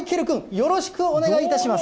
よろしくお願いします。